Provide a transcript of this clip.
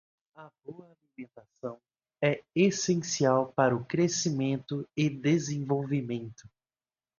A boa alimentação é essencial para o crescimento e desenvolvimento.